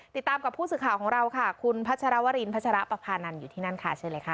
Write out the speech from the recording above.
ติดตามกับผู้สื่อข่าวของเราค่ะคุณพัชรวรินพัชรปภานันอยู่ที่นั่นค่ะเชิญเลยค่ะ